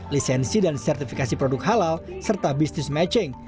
lisensi dan sertifikasi produk halal serta business matching